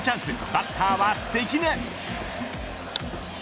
バッターは関根。